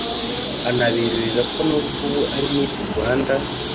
anaberurira ko n’ubwo ubu ari Miss Rwanda